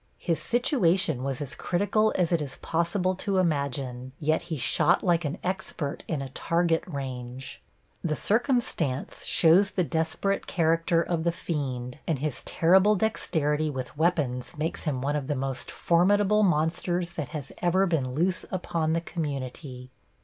His situation was as critical as it is possible to imagine, yet he shot like an expert in a target range. The circumstance shows the desperate character of the fiend, and his terrible dexterity with weapons makes him one of the most formidable monsters that has ever been loose upon the community.